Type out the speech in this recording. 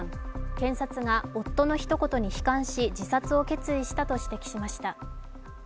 検察が夫の一言に悲観し自殺を決意したと指摘しました。